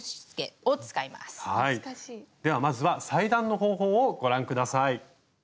ではまずは裁断の方法をご覧下さい。